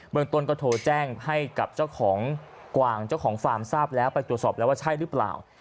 เมืองต้นก็โทรแจ้งให้กับเจ้าของกวางเจ้าของฟาร์มทราบแล้วไปตรวจสอบแล้วว่าใช่หรือเปล่า